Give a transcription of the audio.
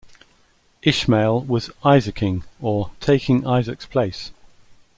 Ishmael was 'Isaacing', or 'taking Isaac's place'.